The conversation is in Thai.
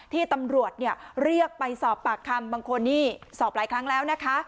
ที่ตำรวจเรียกไปสอบปากคำบางคนนี่สอบหลายครั้งแล้วนะคะ